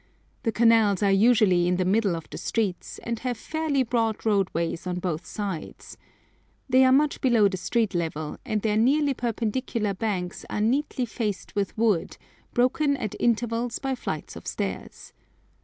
The canals are usually in the middle of the streets, and have fairly broad roadways on both sides. They are much below the street level, and their nearly perpendicular banks are neatly faced with wood, broken at intervals by flights of stairs.